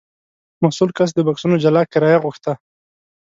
مسوول کس د بکسونو جلا کرایه غوښته.